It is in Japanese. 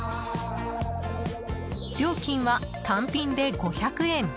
料金は、単品で５００円